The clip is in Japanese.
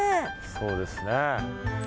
そうですね。